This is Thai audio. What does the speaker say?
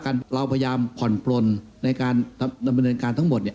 ค่อยว่ากันเราพยามผ่อนปนในการทำดำเนินการทั้งหมดเนี่ย